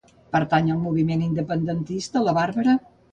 Pertany al moviment independentista la Barbara?